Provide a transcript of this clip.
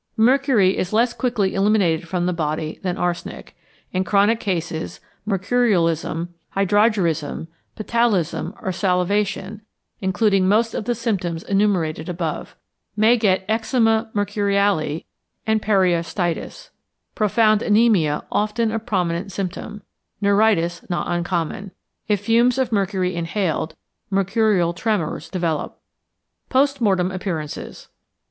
Mercury is less quickly eliminated from the body than arsenic. In chronic cases 'mercurialism,' 'hydrargyrism,' 'ptyalism,' or 'salivation,' including most of the symptoms enumerated above. May get eczema mercuriale and periostitis. Profound anæmia often a prominent symptom; neuritis not uncommon. If fumes of mercury inhaled, mercurial tremors develop. _Post Mortem Appearances.